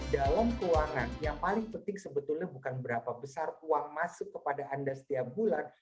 dalam keuangan yang paling penting sebetulnya bukan berapa besar uang masuk kepada anda setiap bulan